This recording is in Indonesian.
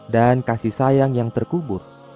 dan kasih sayang yang terkubur